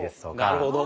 なるほど。